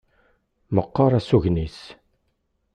Meqqer asugen-is.